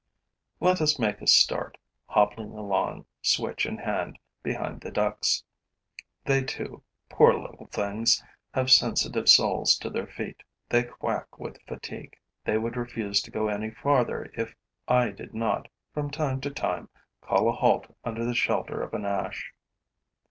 Let us make a start, hobbling along, switch in hand, behind the ducks. They too, poor little things, have sensitive soles to their feet; they limp, they quack with fatigue. They would refuse to go any farther if I did not, from time to time, call a halt under the shelter of an ash.